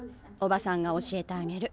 伯母さんが教えてあげる。